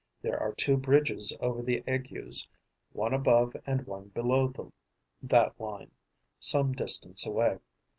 There are two bridges over the Aygues, one above and one below that line, some distance away.